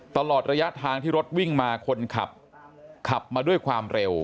ตลอดระยะทางที่รถวิ่งมาคนขับขับมาด้วยความเร็ว